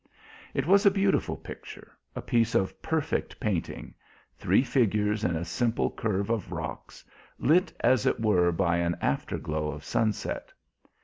It was a beautiful picture, a piece of perfect painting three figures in a simple curve of rocks, lit as it were by an afterglow of sunset.